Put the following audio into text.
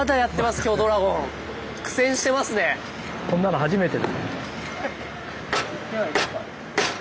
こんなの初めて。